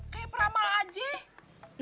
kayak peramal aja